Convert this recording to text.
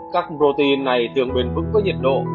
các protein này thường bền vững với nhiệt độ